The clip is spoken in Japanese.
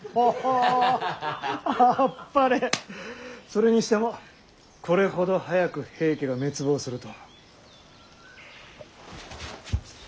それにしてもこれほど早く平家が滅亡するとは。